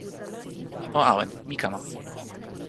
o awen. mi kama.